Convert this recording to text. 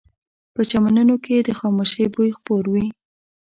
په چمنونو کې د خاموشۍ بوی خپور وي